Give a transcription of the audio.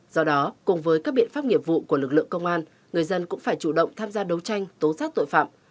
do đó cùng với các biện pháp nghiệp vụ của lực lượng công an người dân cũng phải chủ động tham gia đấu tranh tố xác tội phạm